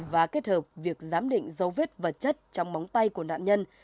và kết hợp việc giám định dấu vết vật chất trong móng tay của nạn nhân